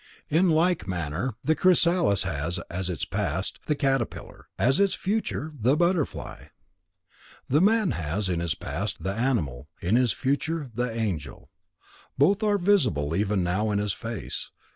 In like manner, the chrysalis has, as its past, the caterpillar; as its future, the butterfly. The man has, in his past, the animal; in his future, the angel. Both are visible even now in his face.